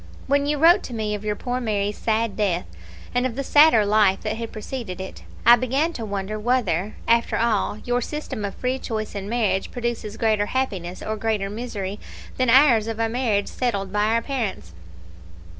When you wrote to me of your poor Mary's sad death, and of the sadder life that had preceded it, I began to wonder whether, after all, your system of free choice in marriage produces greater happiness or greater misery than ours of a marriage settled by our parents.